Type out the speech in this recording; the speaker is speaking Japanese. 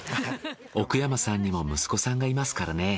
奥山さんにも息子さんがいますからね。